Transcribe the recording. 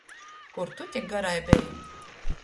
Kur tu tik garai beji?